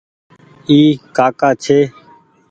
اي ڪآڪآ ڇي ۔